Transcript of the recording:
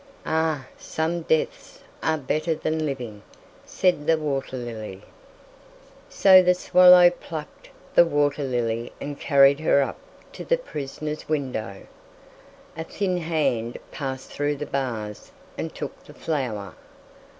"Ah, some deaths are better than living," said the water lily. So the swallow plucked the water lily and carried her up to the prisoner's window. A thin hand passed through the bars and took the flower.